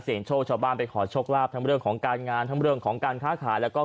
โชคชาวบ้านไปขอโชคลาภทั้งเรื่องของการงานทั้งเรื่องของการค้าขายแล้วก็